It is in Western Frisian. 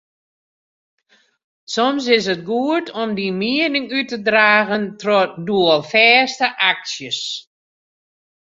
Soms is it goed om dyn miening út te dragen troch doelfêste aksjes.